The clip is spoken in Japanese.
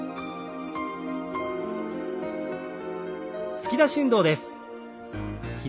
突き出し運動です。